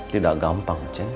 tidak gampang cem